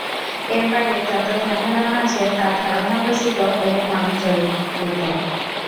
এর বাইরে যত ধ্যান-ধারণা আছে তা ধারণাপ্রসূত এবং মানব রচিত।